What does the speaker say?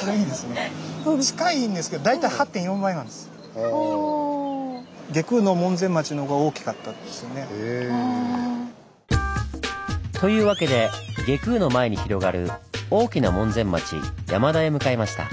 近いんですけどというわけで外宮の前に広がる大きな門前町山田へ向かいました。